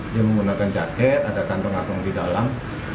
dia menggunakan jaket ada kantong kantong di dalam